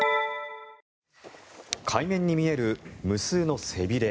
海面に見える無数の背びれ。